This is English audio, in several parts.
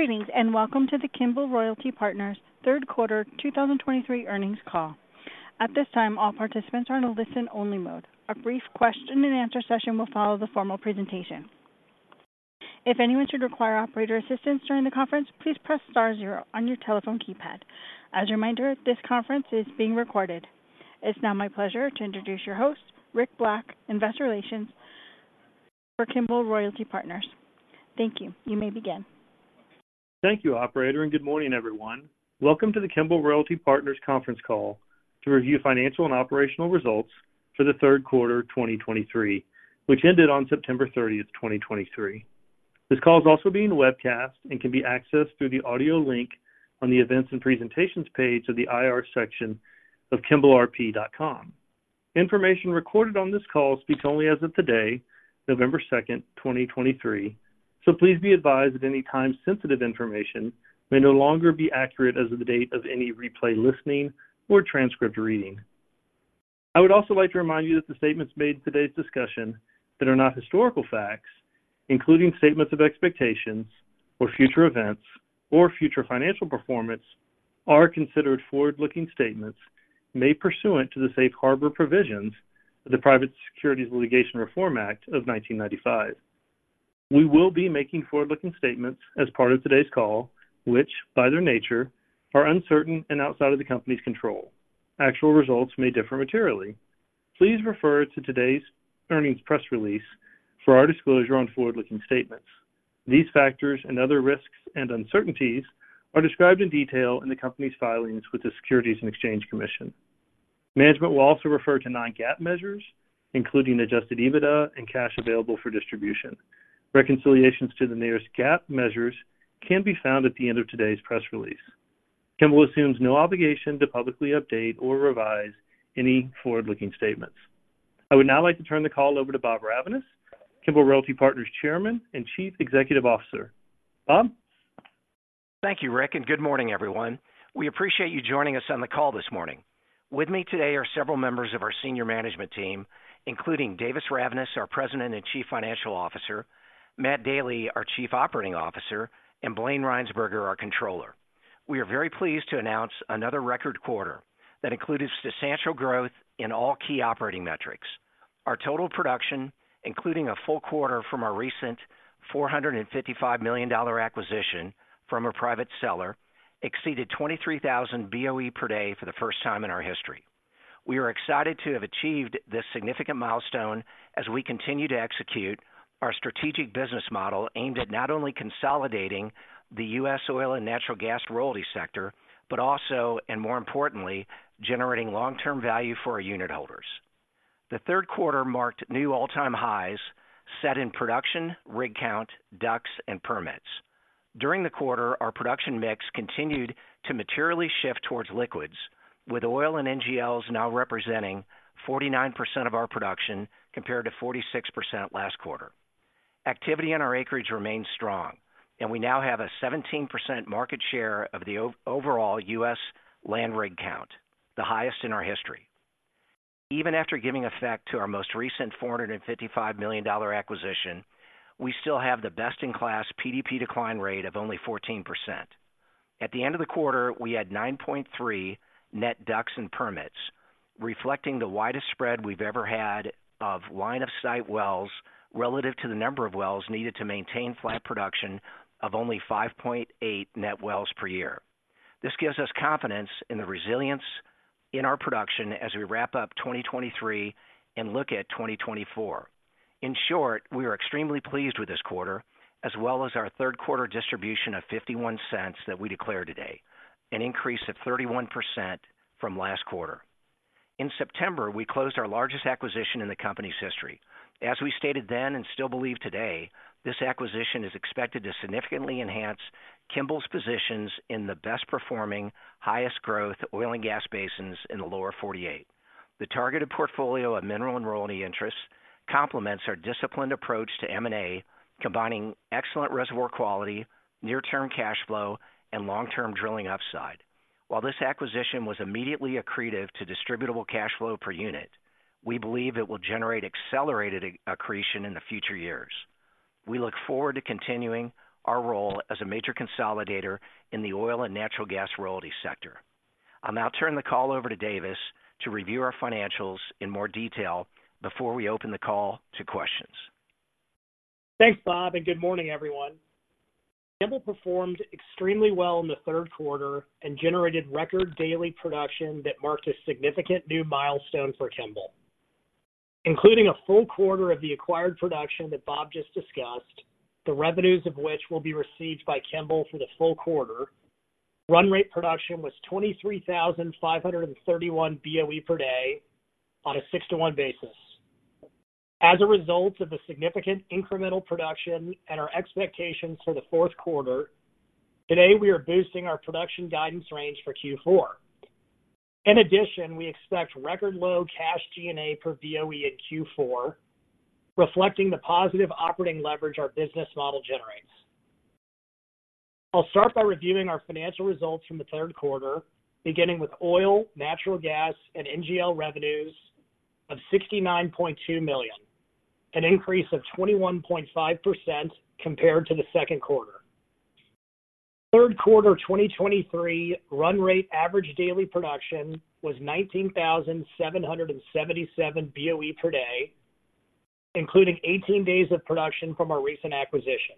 Greetings, and welcome to the Kimbell Royalty Partners third quarter 2023 earnings call. At this time, all participants are in a listen-only mode. A brief question and answer session will follow the formal presentation. If anyone should require operator assistance during the conference, please press star zero on your telephone keypad. As a reminder, this conference is being recorded. It's now my pleasure to introduce your host, Rick Black, Investor Relations for Kimbell Royalty Partners. Thank you. You may begin. Thank you, operator, and good morning, everyone. Welcome to the Kimbell Royalty Partners conference call to review financial and operational results for the third quarter of 2023, which ended on September 30, 2023. This call is also being webcast and can be accessed through the audio link on the Events and Presentations page of the IR section of kimbellrp.com. Information recorded on this call speaks only as of today, November 2, 2023, so please be advised that any time-sensitive information may no longer be accurate as of the date of any replay listening or transcript reading. I would also like to remind you that the statements made in today's discussion that are not historical facts, including statements of expectations or future events or future financial performance, are considered forward-looking statements made pursuant to the Safe Harbor Provisions of the Private Securities Litigation Reform Act of 1995. We will be making forward-looking statements as part of today's call, which, by their nature, are uncertain and outside of the company's control. Actual results may differ materially. Please refer to today's earnings press release for our disclosure on forward-looking statements. These factors and other risks and uncertainties are described in detail in the company's filings with the Securities and Exchange Commission. Management will also refer to non-GAAP measures, including Adjusted EBITDA and Cash Available for Distribution. Reconciliations to the nearest GAAP measures can be found at the end of today's press release. Kimbell assumes no obligation to publicly update or revise any forward-looking statements. I would now like to turn the call over to Bob Ravnaas, Kimbell Royalty Partners Chairman and Chief Executive Officer. Bob? Thank you, Rick, and good morning, everyone. We appreciate you joining us on the call this morning. With me today are several members of our senior management team, including Davis Ravnaas, our president and chief financial officer, Matt Daly, our chief operating officer, and Blayne Rhynsburger, our controller. We are very pleased to announce another record quarter that included substantial growth in all key operating metrics. Our total production, including a full quarter from our recent $455 million acquisition from a private seller, exceeded 23,000 BOE per day for the first time in our history. We are excited to have achieved this significant milestone as we continue to execute our strategic business model, aimed at not only consolidating the U.S. oil and natural gas royalty sector, but also, and more importantly, generating long-term value for our unitholders. The third quarter marked new all-time highs set in production, rig count, DUCs, and permits. During the quarter, our production mix continued to materially shift towards liquids, with oil and NGLs now representing 49% of our production, compared to 46% last quarter. Activity on our acreage remains strong, and we now have a 17% market share of the overall U.S. land rig count, the highest in our history. Even after giving effect to our most recent $455 million acquisition, we still have the best-in-class PDP decline rate of only 14%. At the end of the quarter, we had 9.3 net DUCs and permits, reflecting the widest spread we've ever had of line-of-sight wells relative to the number of wells needed to maintain flat production of only 5.8 net wells per year. This gives us confidence in the resilience in our production as we wrap up 2023 and look at 2024. In short, we are extremely pleased with this quarter, as well as our third quarter distribution of $0.51 that we declared today, an increase of 31% from last quarter. In September, we closed our largest acquisition in the company's history. As we stated then and still believe today, this acquisition is expected to significantly enhance Kimbell's positions in the best-performing, highest-growth oil and gas basins in the Lower 48. The targeted portfolio of mineral and royalty interests complements our disciplined approach to M&A, combining excellent reservoir quality, near-term cash flow, and long-term drilling upside. While this acquisition was immediately accretive to distributable cash flow per unit, we believe it will generate accelerated accretion in the future years. We look forward to continuing our role as a major consolidator in the oil and natural gas royalty sector. I'll now turn the call over to Davis to review our financials in more detail before we open the call to questions. Thanks, Bob, and good morning, everyone. Kimbell performed extremely well in the third quarter and generated record daily production that marked a significant new milestone for Kimbell. Including a full quarter of the acquired production that Bob just discussed, the revenues of which will be received by Kimbell for the full quarter, run rate production was 23,531 BOE per day on a 6:1 basis. As a result of the significant incremental production and our expectations for the fourth quarter, today we are boosting our production guidance range for Q4. In addition, we expect record low cash G&A per BOE in Q4, reflecting the positive operating leverage our business model generates. I'll start by reviewing our financial results from the third quarter, beginning with oil, natural gas, and NGL revenues of $69.2 million. An increase of 21.5% compared to the second quarter. Third quarter 2023 run rate average daily production was 19,777 BOE per day, including 18 days of production from our recent acquisition.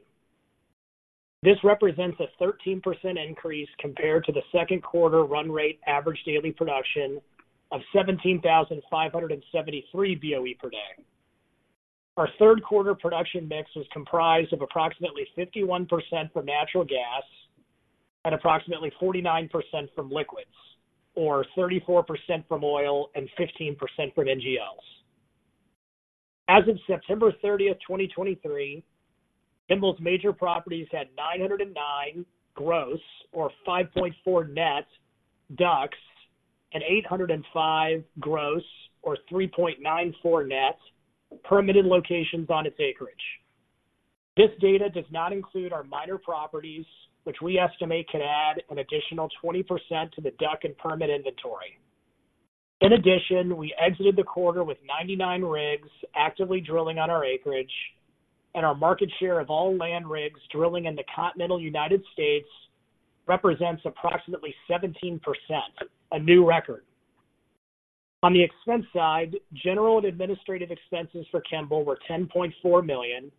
This represents a 13% increase compared to the second quarter run rate average daily production of 17,573 BOE per day. Our third quarter production mix was comprised of approximately 51% from natural gas and approximately 49% from liquids, or 34% from oil and 15% from NGLs. As of September 30th, 2023, Kimbell's major properties had 909 gross, or 5.4 net, DUCs, and 805 gross, or 3.94 net, permitted locations on its acreage. This data does not include our minor properties, which we estimate could add an additional 20% to the DUC and permit inventory. In addition, we exited the quarter with 99 rigs actively drilling on our acreage, and our market share of all land rigs drilling in the continental United States represents approximately 17%, a new record. On the expense side, general and administrative expenses for Kimbell were $10.4 million,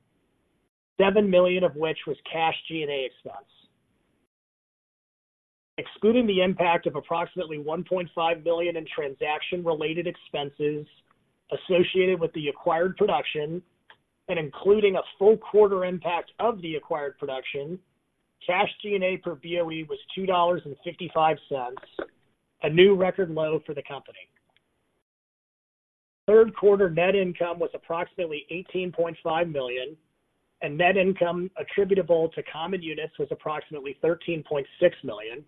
$7 million of which was cash G&A expense. Excluding the impact of approximately $1.5 million in transaction-related expenses associated with the acquired production and including a full quarter impact of the acquired production, cash G&A per BOE was $2.55, a new record low for the company. Third quarter net income was approximately $18.5 million, and net income attributable to common units was approximately $13.6 million,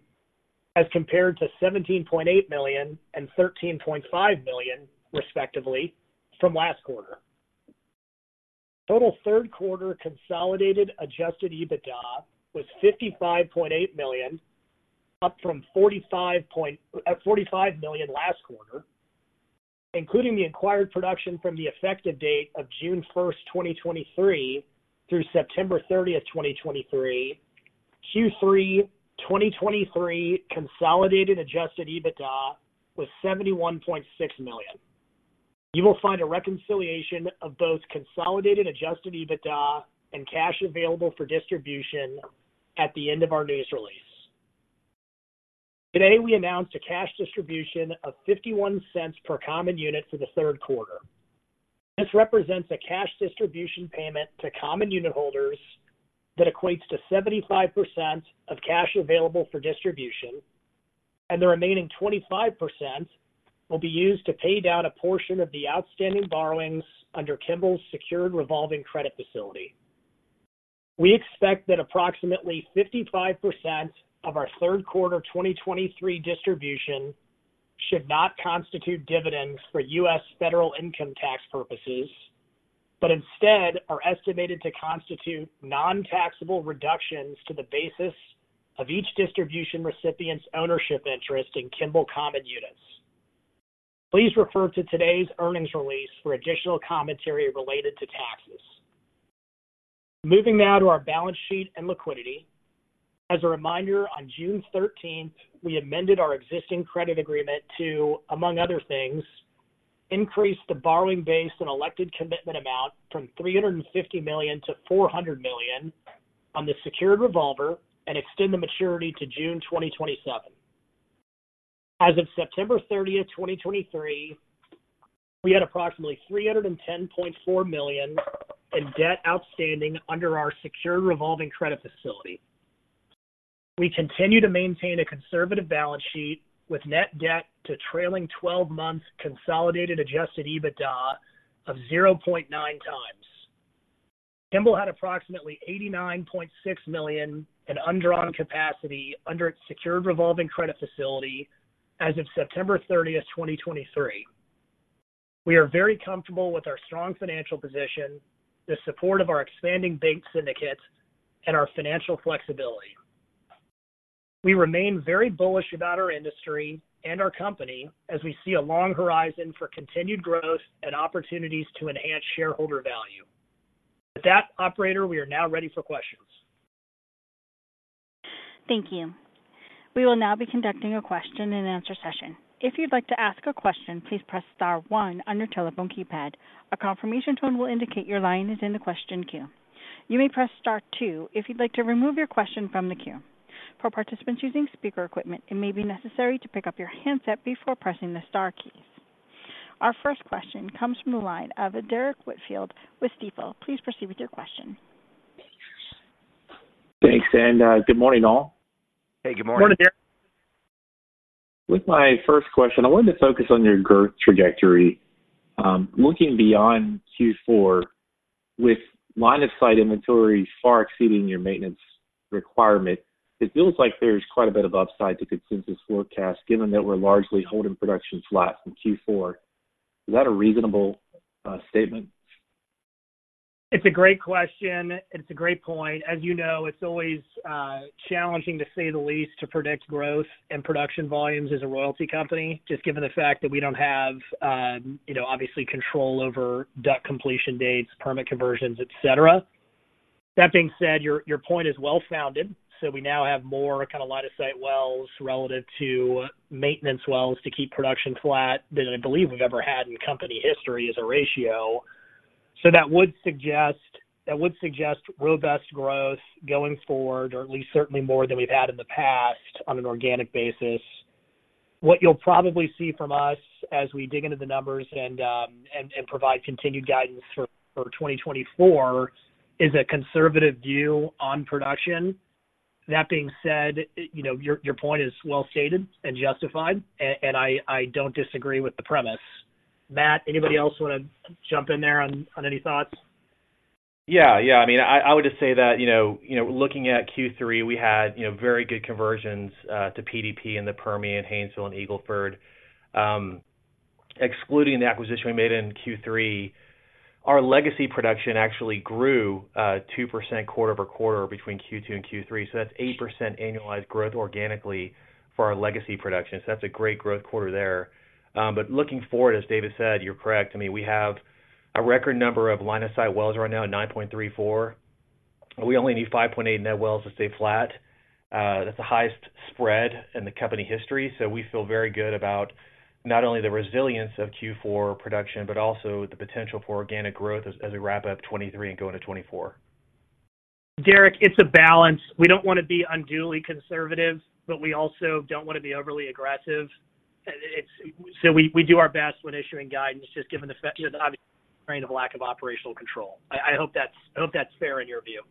as compared to $17.8 million and $13.5 million, respectively, from last quarter. Total third quarter consolidated Adjusted EBITDA was $55.8 million, up from $45 million last quarter, including the acquired production from the effective date of June first, 2023 through September thirtieth, 2023. Q3 2023 consolidated Adjusted EBITDA was $71.6 million. You will find a reconciliation of both consolidated Adjusted EBITDA and Cash Available for Distribution at the end of our news release. Today, we announced a cash distribution of $0.51 per common unit for the third quarter. This represents a cash distribution payment to common unit holders that equates to 75% of Cash Available for Distribution, and the remaining 25% will be used to pay down a portion of the outstanding borrowings under Kimbell's secured revolving credit facility. We expect that approximately 55% of our third quarter 2023 distribution should not constitute dividends for U.S. federal income tax purposes, but instead are estimated to constitute non-taxable reductions to the basis of each distribution recipient's ownership interest in Kimbell common units. Please refer to today's earnings release for additional commentary related to taxes. Moving now to our balance sheet and liquidity. As a reminder, on June 13, we amended our existing credit agreement to, among other things, increase the borrowing base and elected commitment amount from $350 million-$400 million on the secured revolver and extend the maturity to June 2027. As of September 30, 2023, we had approximately $310.4 million in debt outstanding under our secured revolving credit facility. We continue to maintain a conservative balance sheet with net debt to trailing twelve months consolidated Adjusted EBITDA of 0.9 times. Kimbell had approximately $89.6 million in undrawn capacity under its secured revolving credit facility as of September 30, 2023. We are very comfortable with our strong financial position, the support of our expanding bank syndicates, and our financial flexibility. We remain very bullish about our industry and our company as we see a long horizon for continued growth and opportunities to enhance shareholder value. With that, operator, we are now ready for questions. Thank you. We will now be conducting a question and answer session. If you'd like to ask a question, please press star one on your telephone keypad. A confirmation tone will indicate your line is in the question queue. You may press star two if you'd like to remove your question from the queue. For participants using speaker equipment, it may be necessary to pick up your handset before pressing the star keys. Our first question comes from the line of Derrick Whitfield with Stifel. Please proceed with your question. Thanks, and good morning, all. Hey, good morning. Good morning, Derrick. With my first question, I wanted to focus on your growth trajectory. Looking beyond Q4, with line-of-sight inventory far exceeding your maintenance requirement, it feels like there's quite a bit of upside to consensus forecast, given that we're largely holding production flat in Q4. Is that a reasonable statement?... It's a great question. It's a great point. As you know, it's always, challenging, to say the least, to predict growth and production volumes as a royalty company, just given the fact that we don't have, you know, obviously, control over DUC completion dates, permit conversions, et cetera. That being said, your point is well-founded. So we now have more kind of line-of-sight wells relative to maintenance wells to keep production flat than I believe we've ever had in company history as a ratio. So that would suggest robust growth going forward, or at least certainly more than we've had in the past on an organic basis. What you'll probably see from us as we dig into the numbers and provide continued guidance for 2024, is a conservative view on production. That being said, you know, your point is well stated and justified, and I don't disagree with the premise. Matt, anybody else want to jump in there on any thoughts? Yeah. Yeah. I mean, I would just say that, you know, you know, looking at Q3, we had, you know, very good conversions to PDP in the Permian, Haynesville, and Eagle Ford. Excluding the acquisition we made in Q3, our legacy production actually grew 2% quarter-over-quarter between Q2 and Q3, so that's 8% annualized growth organically for our legacy production. So that's a great growth quarter there. But looking forward, as Davis said, you're correct. I mean, we have a record number of line-of-sight wells right now, 9.34. We only need 5.8 net wells to stay flat. That's the highest spread in the company history, so we feel very good about not only the resilience of Q4 production, but also the potential for organic growth as we wrap up 2023 and go into 2024. Derrick, it's a balance. We don't want to be unduly conservative, but we also don't want to be overly aggressive. So we do our best when issuing guidance, just given the fact, you know, the obvious kind of lack of operational control. I hope that's fair in your view.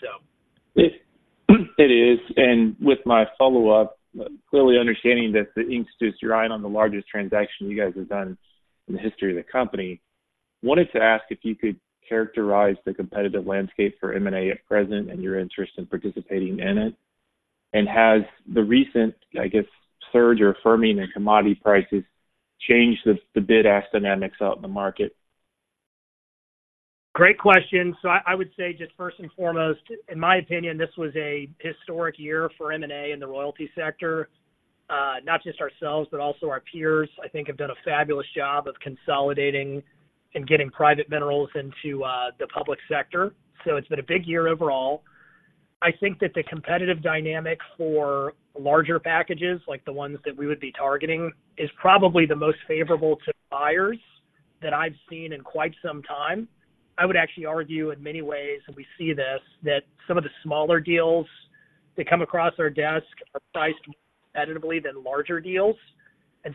So- It is. With my follow-up, clearly understanding that you've got your eye on the largest transaction you guys have done in the history of the company, wanted to ask if you could characterize the competitive landscape for M&A at present and your interest in participating in it. Has the recent, I guess, surge or firming in commodity prices changed the bid-ask dynamics out in the market? Great question. So I would say just first and foremost, in my opinion, this was a historic year for M&A in the royalty sector. Not just ourselves, but also our peers, I think, have done a fabulous job of consolidating and getting private minerals into the public sector. So it's been a big year overall. I think that the competitive dynamic for larger packages, like the ones that we would be targeting, is probably the most favorable to buyers that I've seen in quite some time. I would actually argue in many ways, and we see this, that some of the smaller deals that come across our desk are priced ahead of larger deals.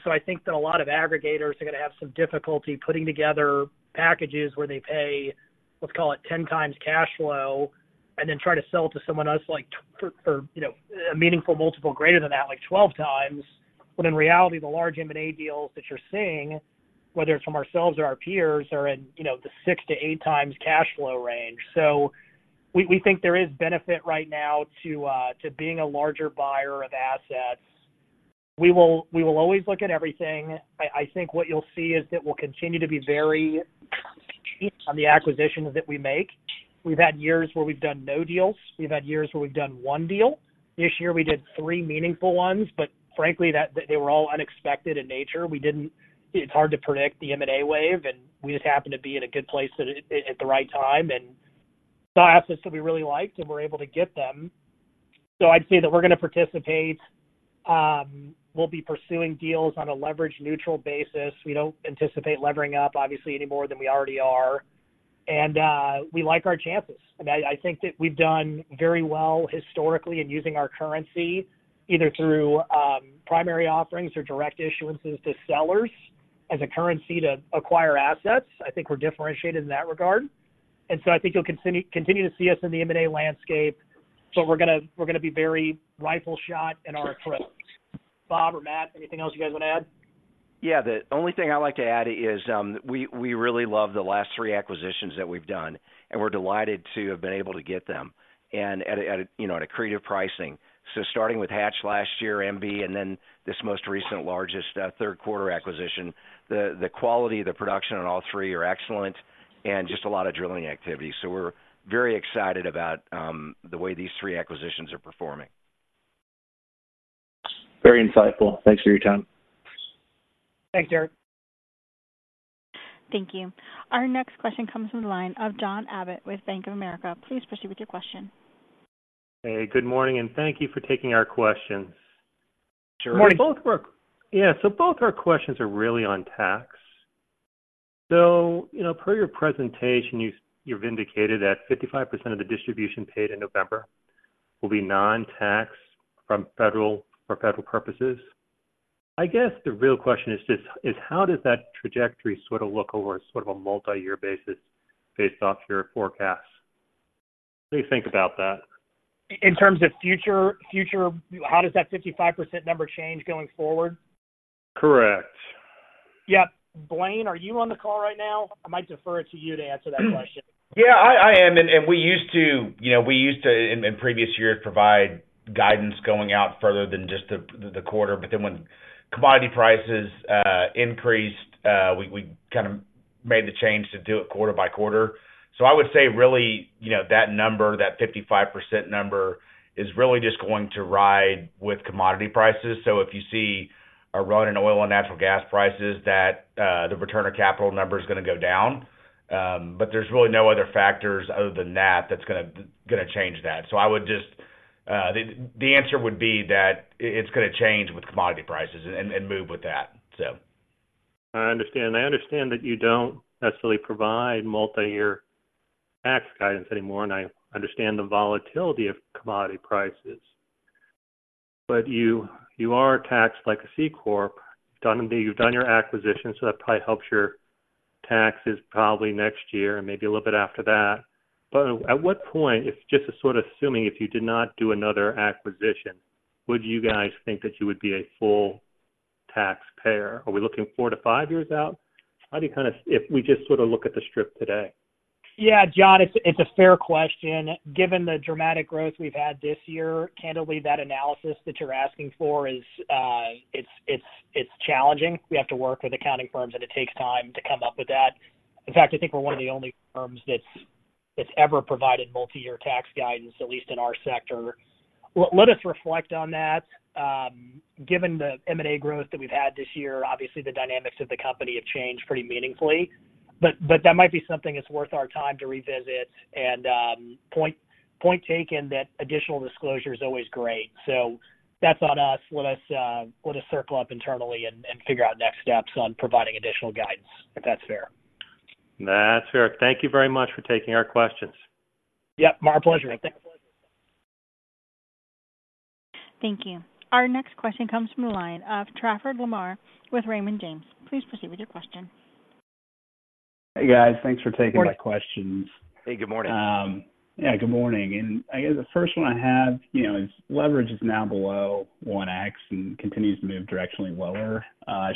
So I think that a lot of aggregators are gonna have some difficulty putting together packages where they pay, let's call it, 10x cash flow, and then try to sell to someone else, like, for, you know, a meaningful multiple greater than that, like 12x. When in reality, the large M&A deals that you're seeing, whether it's from ourselves or our peers, are in, you know, the 6x-8x cash flow range. So we, we think there is benefit right now to, to being a larger buyer of assets. We will, we will always look at everything. I, I think what you'll see is that we'll continue to be very on the acquisitions that we make. We've had years where we've done no deals. We've had years where we've done one deal. This year, we did three meaningful ones, but frankly, that-- they were all unexpected in nature. We didn't-- It's hard to predict the M&A wave, and we just happened to be in a good place at, at the right time, and saw assets that we really liked and were able to get them. So I'd say that we're gonna participate. We'll be pursuing deals on a leverage-neutral basis. We don't anticipate levering up, obviously, any more than we already are. And, we like our chances. I mean, I think that we've done very well historically in using our currency, either through, primary offerings or direct issuances to sellers as a currency to acquire assets. I think we're differentiated in that regard. And so I think you'll continue, continue to see us in the M&A landscape, so we're gonna, we're gonna be very rifle shot in our approach. Bob or Matt, anything else you guys want to add? Yeah. The only thing I'd like to add is, we really love the last three acquisitions that we've done, and we're delighted to have been able to get them, and at a, you know, at accretive pricing. So starting with Hatch last year, MB, and then this most recent, largest, third quarter acquisition, the quality of the production on all three are excellent and just a lot of drilling activity. So we're very excited about, the way these three acquisitions are performing. Very insightful. Thanks for your time. Thanks, Derrick. Thank you. Our next question comes from the line of John Abbott with Bank of America. Please proceed with your question. Hey, good morning, and thank you for taking our questions. Good morning. Yeah, so both our questions are really on tax. So, you know, per your presentation, you've, you've indicated that 55% of the distribution paid in November will be non-tax from federal, for federal purposes. I guess the real question is just, is how does that trajectory sort of look over sort of a multi-year basis based off your forecasts? What do you think about that? In terms of future, how does that 55% number change going forward? Correct. Yeah. Blayne, are you on the call right now? I might defer to you to answer that question. Yeah, I am. And we used to, you know, we used to, in previous years, provide guidance going out further than just the quarter. But then when commodity prices increased, we kind of made the change to do it quarter by quarter. So I would say, really, you know, that number, that 55% number, is really just going to ride with commodity prices. So if you see a run in oil and natural gas prices, the return on capital number is going to go down. But there's really no other factors other than that, that's gonna change that. So I would just, the answer would be that it's going to change with commodity prices and move with that, so. I understand. I understand that you don't necessarily provide multi-year tax guidance anymore, and I understand the volatility of commodity prices. But you, you are taxed like a C corp. You've done, you've done your acquisition, so that probably helps your taxes probably next year and maybe a little bit after that. But at what point, it's just a sort of assuming, if you did not do another acquisition, would you guys think that you would be a full taxpayer? Are we looking four to five years out? How do you kind of if we just sort of look at the strip today? Yeah, John, it's a fair question. Given the dramatic growth we've had this year, candidly, that analysis that you're asking for is, it's challenging. We have to work with accounting firms, and it takes time to come up with that. In fact, I think we're one of the only firms that's ever provided multi-year tax guidance, at least in our sector. Let us reflect on that. Given the M&A growth that we've had this year, obviously, the dynamics of the company have changed pretty meaningfully. But that might be something that's worth our time to revisit and point taken, that additional disclosure is always great. So that's on us. Let us circle up internally and figure out next steps on providing additional guidance, if that's fair. That's fair. Thank you very much for taking our questions. Yep, my pleasure. Thanks. Thank you. Our next question comes from the line of Trafford Lamar with Raymond James. Please proceed with your question. Hey, guys. Thanks for taking my questions. Hey, good morning. Yeah, good morning. And I guess the first one I have, you know, is leverage is now below 1x and continues to move directionally lower.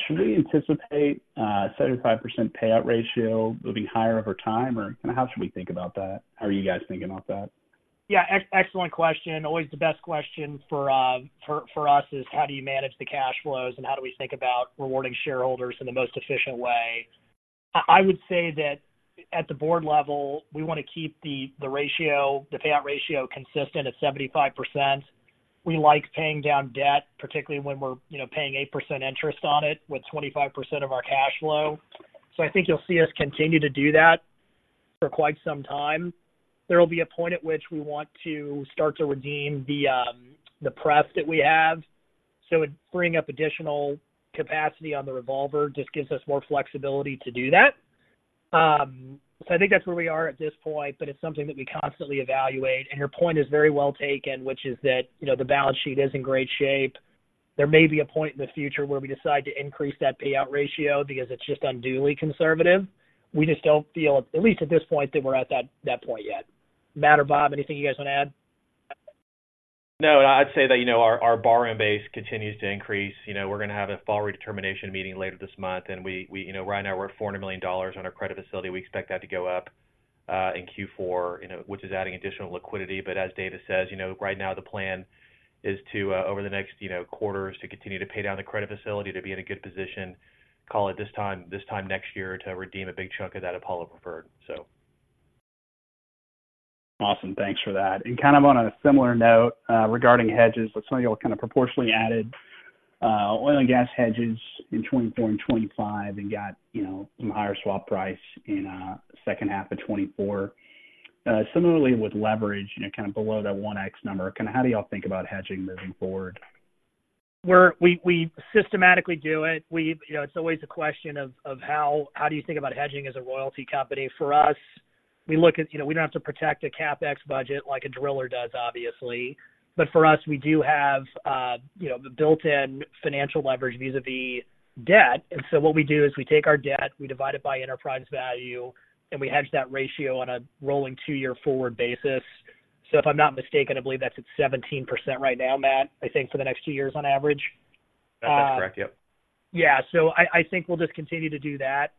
Should we anticipate 75% payout ratio moving higher over time, or how should we think about that? How are you guys thinking about that? Yeah, excellent question. Always the best question for us is how do you manage the cash flows and how do we think about rewarding shareholders in the most efficient way? I would say that at the board level, we want to keep the ratio, the payout ratio, consistent at 75%. We like paying down debt, particularly when we're, you know, paying 8% interest on it with 25% of our cash flow. So I think you'll see us continue to do that for quite some time. There will be a point at which we want to start to redeem the pref that we have, so it bring up additional capacity on the revolver, just gives us more flexibility to do that. So I think that's where we are at this point, but it's something that we constantly evaluate. Your point is very well taken, which is that, you know, the balance sheet is in great shape. There may be a point in the future where we decide to increase that payout ratio because it's just unduly conservative. We just don't feel, at least at this point, that we're at that point yet. Matt or Bob, anything you guys want to add? No, I'd say that, you know, our borrowing base continues to increase. You know, we're going to have a fall redetermination meeting later this month, and we, you know, right now we're at $400 million on our credit facility. We expect that to go up in Q4, you know, which is adding additional liquidity. But as Davis says, you know, right now the plan is to over the next, you know, quarters, to continue to pay down the credit facility to be in a good position, call it this time, this time next year, to redeem a big chunk of that Apollo preferred, so. Awesome. Thanks for that. And kind of on a similar note, regarding hedges, some of you all kind of proportionally added, oil and gas hedges in 2024 and 2025 and got, you know, some higher swap price in, second half of 2024. Similarly with leverage, you know, kind of below that 1x number, kind of how do you all think about hedging moving forward? We systematically do it. You know, it's always a question of how do you think about hedging as a royalty company? For us, we look at, you know, we don't have to protect a CapEx budget like a driller does, obviously. But for us, we do have, you know, the built-in financial leverage vis-a-vis debt. And so what we do is we take our debt, we divide it by enterprise value, and we hedge that ratio on a rolling two-year forward basis. So if I'm not mistaken, I believe that's at 17% right now, Matt, I think for the next two years on average. That's correct. Yep. Yeah. So I think we'll just continue to do that.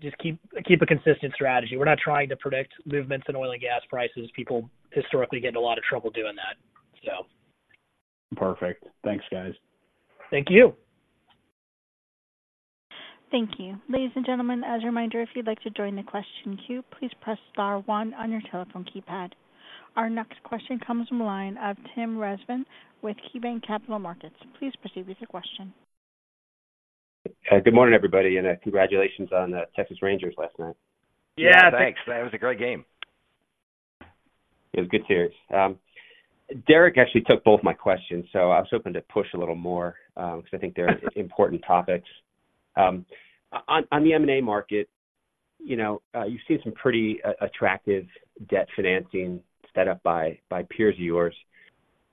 Just keep a consistent strategy. We're not trying to predict movements in oil and gas prices. People historically get in a lot of trouble doing that, so. Perfect. Thanks, guys. Thank you. Thank you. Ladies and gentlemen, as a reminder, if you'd like to join the question queue, please press star one on your telephone keypad. Our next question comes from the line of Tim Rezvan with KeyBanc Capital Markets. Please proceed with your question. Good morning, everybody, and congratulations on Texas Rangers last night. Yeah, thanks. That was a great game. It was good series. Derrick actually took both my questions, so I was hoping to push a little more, because I think they're important topics. On the M&A market, you know, you've seen some pretty attractive debt financing set up by peers of yours,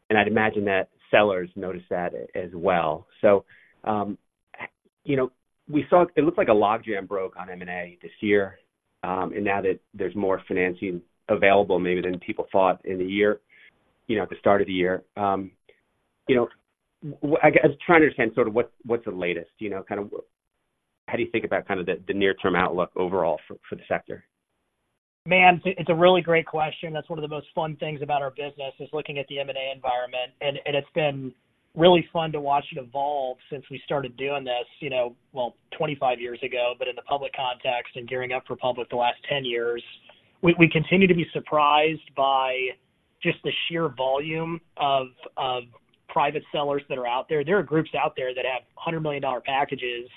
and I'd imagine that sellers notice that as well. So, you know, we saw it looked like a logjam broke on M&A this year, and now that there's more financing available maybe than people thought in the year, you know, at the start of the year. You know, I was trying to understand sort of what the latest is, you know, kind of how do you think about kind of the near-term outlook overall for the sector? Man, it's a really great question. That's one of the most fun things about our business, is looking at the M&A environment, and it's been really fun to watch it evolve since we started doing this, you know, well, 25 years ago. But in the public context and gearing up for public the last 10 years, we continue to be surprised by just the sheer volume of private sellers that are out there. There are groups out there that have $100 million packages,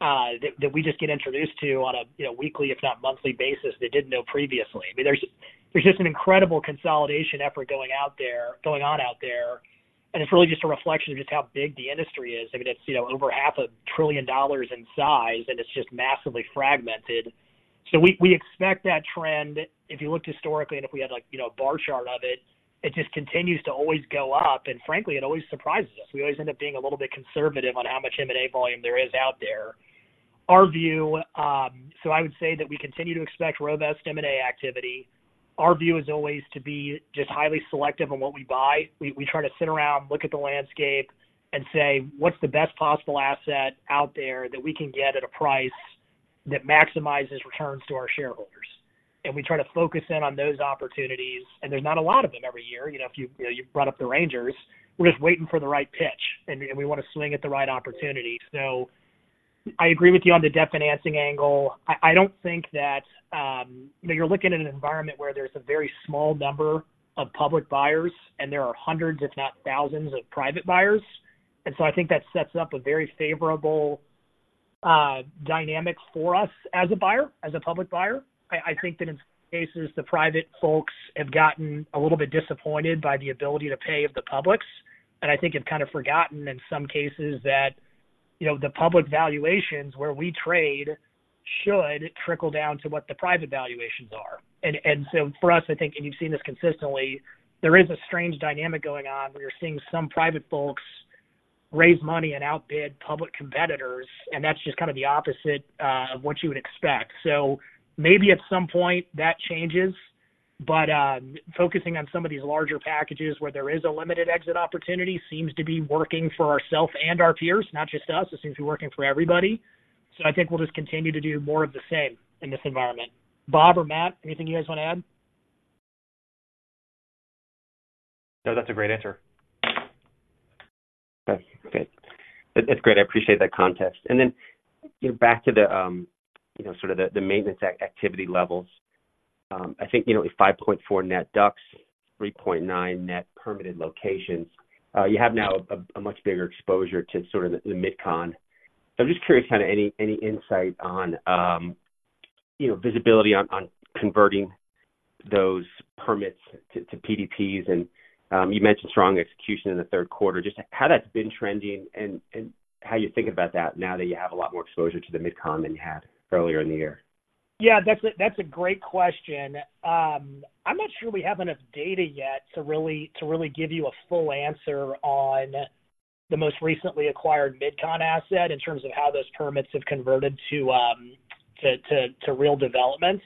that we just get introduced to on a, you know, weekly, if not monthly basis, that didn't know previously. I mean, there's just an incredible consolidation effort going on out there, and it's really just a reflection of just how big the industry is. I mean, it's, you know, over $500 billion in size, and it's just massively fragmented. So we, we expect that trend. If you look historically, and if we had, like, you know, a bar chart of it, it just continues to always go up, and frankly, it always surprises us. We always end up being a little bit conservative on how much M&A volume there is out there. Our view, so I would say that we continue to expect robust M&A activity. Our view is always to be just highly selective on what we buy. We, we try to sit around, look at the landscape and say: What's the best possible asset out there that we can get at a price that maximizes returns to our shareholders? And we try to focus in on those opportunities, and there's not a lot of them every year. You know, if you brought up the Rangers, we're just waiting for the right pitch, and we want to swing at the right opportunity. So I agree with you on the debt financing angle. I don't think that you're looking at an environment where there's a very small number of public buyers, and there are hundreds, if not thousands, of private buyers. And so I think that sets up a very favorable dynamic for us as a buyer, as a public buyer. I think that in some cases, the private folks have gotten a little bit disappointed by the ability to pay of the publics. And I think it's kind of forgotten in some cases that, you know, the public valuations where we trade should trickle down to what the private valuations are. And so for us, I think, and you've seen this consistently, there is a strange dynamic going on where you're seeing some private folks raise money and outbid public competitors, and that's just kind of the opposite of what you would expect. So maybe at some point that changes, but focusing on some of these larger packages where there is a limited exit opportunity seems to be working for ourselves and our peers, not just us. It seems to be working for everybody. So I think we'll just continue to do more of the same in this environment. Bob or Matt, anything you guys want to add? No, that's a great answer. Okay, great. That's great. I appreciate that context. And then back to the, you know, sort of the, the maintenance activity levels. I think, you know, 5.4 net DUCs, 3.9 net permitted locations, you have now a much bigger exposure to sort of the MidCon. I'm just curious, kind of any insight on, you know, visibility on converting those permits to PDPs. And you mentioned strong execution in the third quarter. Just how that's been trending and how you think about that now that you have a lot more exposure to the MidCon than you had earlier in the year? Yeah, that's a great question. I'm not sure we have enough data yet to really give you a full answer on the most recently acquired MidCon asset in terms of how those permits have converted to real development.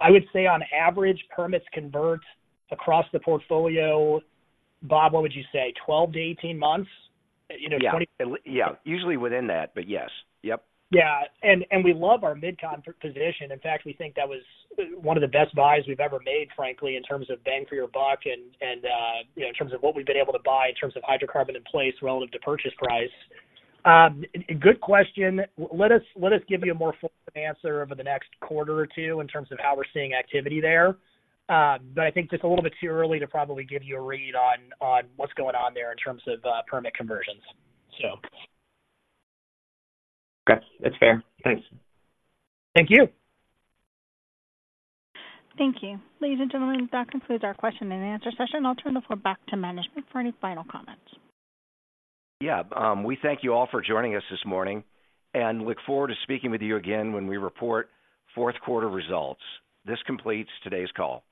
I would say on average, permits convert across the portfolio... Bob, what would you say? 12-18 months, you know, twenty- Yeah, yeah, usually within that, but yes. Yep. Yeah, we love our MidCon position. In fact, we think that was one of the best buys we've ever made, frankly, in terms of bang for your buck and, you know, in terms of what we've been able to buy in terms of hydrocarbon in place relative to purchase price. Good question. Let us give you a more full answer over the next quarter or two in terms of how we're seeing activity there. But I think just a little bit too early to probably give you a read on what's going on there in terms of permit conversions, so. Okay, that's fair. Thanks. Thank you. Thank you. Ladies and gentlemen, that concludes our question and answer session. I'll turn the floor back to management for any final comments. Yeah, we thank you all for joining us this morning and look forward to speaking with you again when we report fourth quarter results. This completes today's call.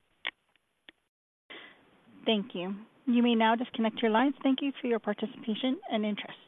Thank you. You may now disconnect your lines. Thank you for your participation and interest.